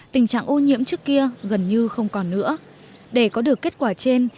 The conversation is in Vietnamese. tình trạng ô nhiễm trước kia gần như không còn nữa để có được kết quả trên